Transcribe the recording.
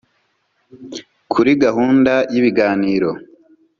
Kuri gahunda y’ibiganiro